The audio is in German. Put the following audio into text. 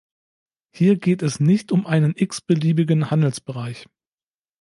Hier geht es nicht um einen x-beliebigen Handelsbereich.